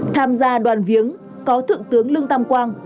tham gia đoàn viếng có thượng tướng lương tam quang